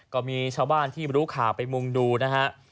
ก็มีชาวบ้านที่รู้ข่าวไปมุ่งดูนะฮะ